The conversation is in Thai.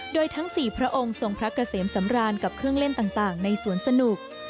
โดยทั้ง๔พระองค์ทรงพระเกษมสำราญกับเครื่องเล่นต่างในสวนสนุก